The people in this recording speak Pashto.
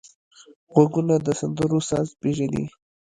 غوږونه د سندرو ساز پېژني